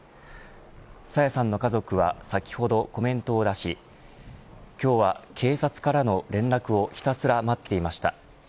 朝芽さんの家族は先ほどコメントを出し今日は警察からの連絡をひたすら待っていました。